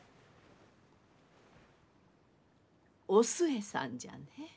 お寿恵さんじゃね。